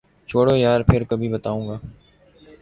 چھوڑو یار ، پھر کبھی بتاؤں گا۔